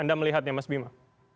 anda melihatnya mas bima